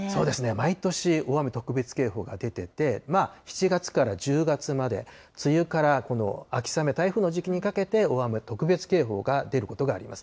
毎年、大雨特別警報が出てて、７月から１０月まで、梅雨からこの秋雨、台風の時期にかけて、大雨特別警報が出ることがあります。